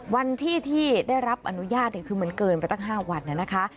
วันที่ที่ได้รับอนุญาตคือมันเกินไปตั้ง๕วันนะคะ